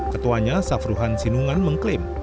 ketuanya safruhan sinungan mengklaim